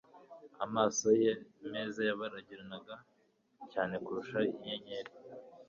Amaso ye meza yarabagiranaga cyane kurusha inyenyeri